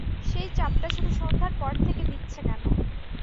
সেই চাপটা শুধু সন্ধার পর থেকে দিচ্ছে কেন?